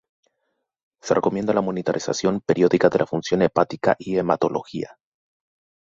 Se recomienda la monitorización periódica de la función hepática y hematología.